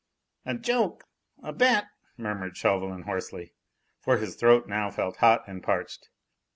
"A joke? A bet?" murmured Chauvelin hoarsely, for his throat now felt hot and parched.